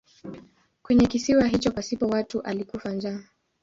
Kwenye kisiwa hicho pasipo watu alikufa njaa.